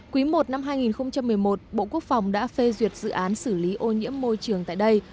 quý i năm hai nghìn một mươi một bộ quốc phòng đã phê duyệt dự án xử lý ô nhiễm môi trường tại đây